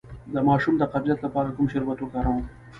د ماشوم د قبضیت لپاره کوم شربت وکاروم؟